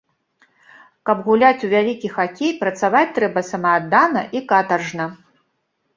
Каб гуляць у вялікі хакей, працаваць трэба самааддана і катаржна.